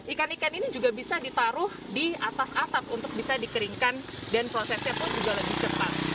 ikan ikan ini juga bisa ditaruh di atas atap untuk bisa dikeringkan dan prosesnya pun juga lebih cepat